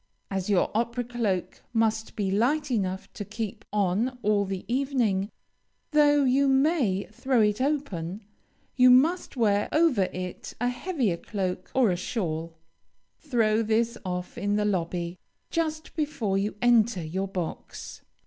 As your opera cloak must be light enough to keep on all the evening, though you may throw it open, you must wear over it a heavier cloak or a shawl. Throw this off in the lobby, just before you enter your box.